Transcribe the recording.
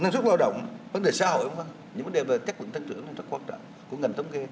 những vấn đề về chất lượng tăng trưởng rất quan trọng của ngành thống kê